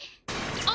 あ！